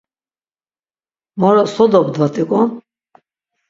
Moro so dobdvat̆ik̆on?